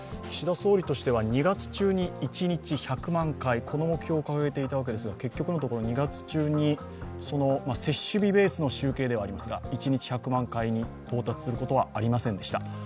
岸田総理としては２月中に一日１００万回、この目標を掲げていたわけですが、結局のところ２月中にその接種日ベースの集計ではありますが一日１００万回に到達することはありませんでした。